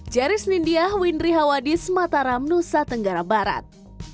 jari senindia windri hawadis mataram nusa tenggara barat